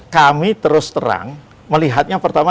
kami terus terang melihatnya pertama